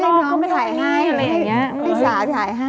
ต้องไปถ่ายให้ให้แม่สาวถ่ายให้